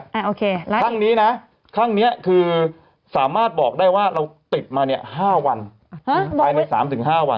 โอเคแล้วข้างนี้นะข้างนี้คือสามารถบอกได้ว่าเราติดมาเนี่ย๕วันภายใน๓๕วัน